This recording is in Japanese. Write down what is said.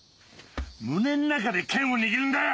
胸ん中で剣を握るんだよ！